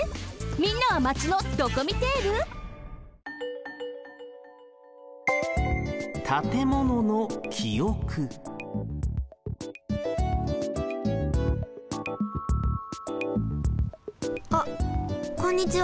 みんなはマチのドコミテール？あっこんにちは。